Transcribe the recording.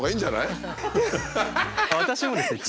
私もですね